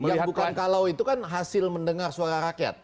yang bukan kalau itu kan hasil mendengar suara rakyat